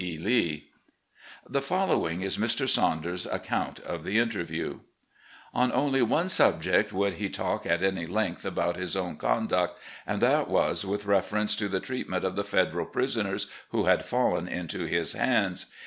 E. Lee." The following is Mr. Saunders' account of the interview; " On only one subject would he talk at any length about his own conduct, and that was with reference to the treatment of the Federal prisoners who had fallen into his hands.